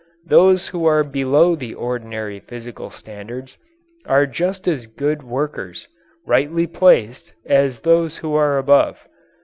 Those who are below the ordinary physical standards are just as good workers, rightly placed, as those who are above.